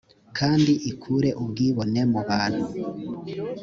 kandi ikure ubwibone mubantu